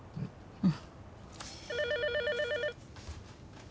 うん。